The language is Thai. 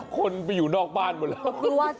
คนไปอยู่นอกบ้านหมดแล้ว